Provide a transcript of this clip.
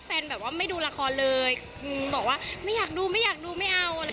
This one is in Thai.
แบบว่าไม่ดูละครเลยบอกว่าไม่อยากดูไม่อยากดูไม่เอาอะไร